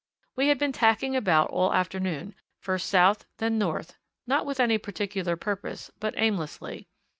We had been tacking about all the afternoon, first south, then north, not with any particular purpose, but aimlessly.